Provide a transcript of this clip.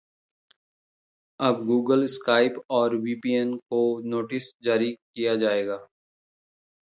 अब Google, Skype और VPN को नोटिस जारी किया जाएगा